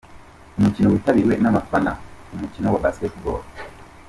Umukino witabiriwe n'abafana b'umukino wa Basketball.